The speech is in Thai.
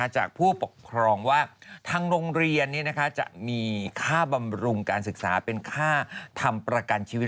จากผู้ปกครองว่าทางโรงเรียนจะมีค่าบำรุงการศึกษาเป็นค่าทำประกันชีวิต